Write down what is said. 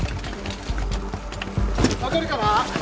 分かるかな？